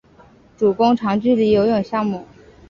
主攻长距离游泳项目。